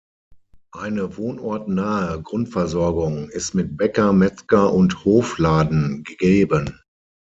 Eine wohnortnahe Grundversorgung ist mit Bäcker, Metzger und Hofladen gegeben.